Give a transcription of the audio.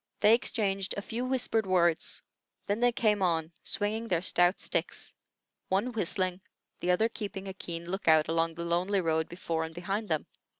They exchanged a few whispered words; then they came on, swinging their stout sticks, one whistling, the other keeping a keen lookout along the lonely road before and behind them.